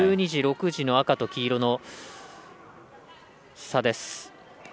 １２時、６時の赤と黄色の差です。